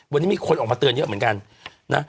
วันนี้มีคนออกมาเตือนเยอะเหมือนกันนะ